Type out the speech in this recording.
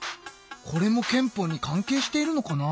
これも憲法に関係しているのかな？